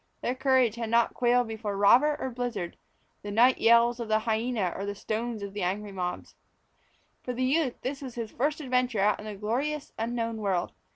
Their courage had not quailed before robber or blizzard, the night yells of the hyena or the stones of angry mobs. For the youth this was his first adventure out into the glorious, unknown world.